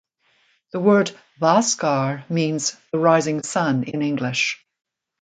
The word "Bhaskar" means "The Rising Sun" in English.